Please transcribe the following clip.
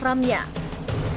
kecuali dengan mahasiswa